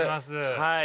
はい。